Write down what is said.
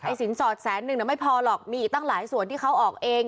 สินสอดแสนนึงไม่พอหรอกมีอีกตั้งหลายส่วนที่เขาออกเอง